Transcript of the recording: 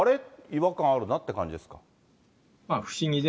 違和感あるなって感じですか。